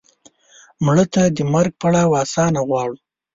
مړه ته د مرګ پړاو آسان غواړو